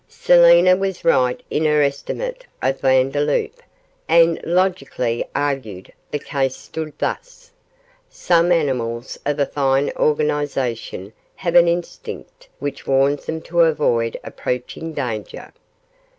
Selina was right in her estimate of Vandeloup, and, logically argued, the case stood thus: Some animals of a fine organization have an instinct which warns them to avoid approaching danger.